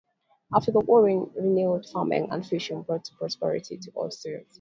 After the war, renewed farming and fishing brought prosperity to Oysterponds.